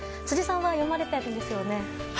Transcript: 辻さんは読まれたんですよね。